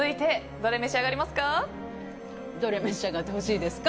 どれ召し上がってほしいですか？